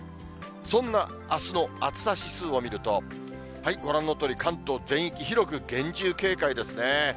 そんなあすの暑さ指数を見ると、ご覧のとおり、関東全域、広く厳重警戒ですね。